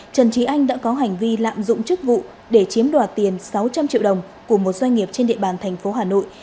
trần trí anh đã có hành vi lạm dụng chức vụ để chiếm đoạt tiền sáu trăm linh triệu đồng của một doanh nghiệp trên địa bàn thành phố hà nội